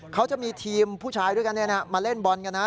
เขาจะมีทีมผู้ชายด้วยกันมาเล่นบอลกันนะ